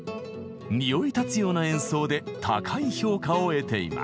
匂い立つような演奏で高い評価を得ています。